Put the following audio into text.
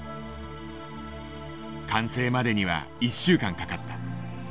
完成までには１週間かかった。